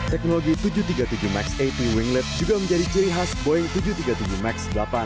teknologi tujuh ratus tiga puluh tujuh max delapan winglet juga menjadi ciri khas boeing tujuh ratus tiga puluh tujuh max delapan